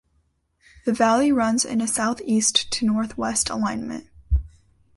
The valley runs in a southeast to northwest alignment.